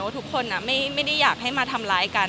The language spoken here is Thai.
ทุกคนไม่ได้อยากให้มาทำร้ายกัน